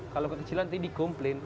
kalau kekecilan nanti dikomplen